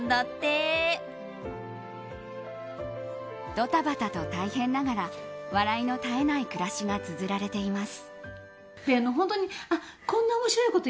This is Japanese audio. ドタバタと大変ながら笑いの絶えない暮らしがつづられています。